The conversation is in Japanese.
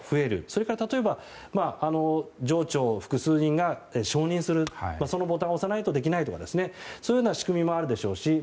それから例えば上長複数人が承認するそのボタンを押さないとできないとかですねそういうような仕組みもあるでしょうし